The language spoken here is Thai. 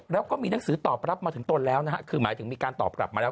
แล้วก็มีหนังสือตอบรับมาถึงตนแล้วนะฮะคือหมายถึงมีการตอบกลับมาแล้ว